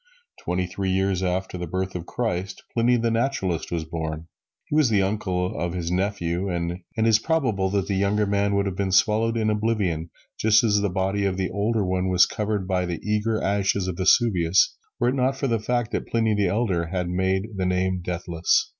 Twenty three years after the birth of Christ, Pliny, the Naturalist, was born. He was the uncle of his nephew, and it is probable that the younger man would have been swallowed in oblivion, just as the body of the older one was covered by the eager ashes of Vesuvius, were it not for the fact that Pliny the Elder had made the name deathless.